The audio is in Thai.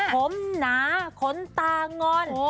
ผมหนาขนตางอน